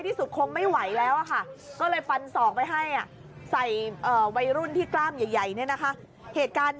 ผมก็ว่าผมจะมาช่วยเขา